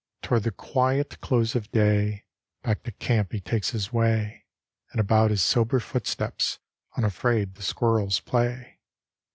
Toward the quiet close of day Back to camp he takes his way, And about his sober footsteps Unafraid the squirrels play.